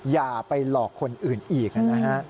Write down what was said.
อย่าไปหลอกคนอื่นอีกนะฮะ